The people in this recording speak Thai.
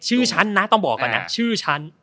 ชื่อฉันนะต้องบอกก่อนนะชื่อฉัน